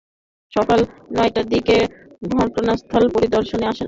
সকাল নয়টার দিকে ঘটনাস্থল পরিদর্শনে আসেন কক্সবাজারের পুলিশ সুপার শ্যামল কুমার নাথ।